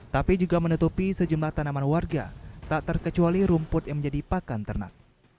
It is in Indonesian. tapi juga menutupi sejumlah tanaman warga tak terkecuali rumput yang menjadi pakan ternak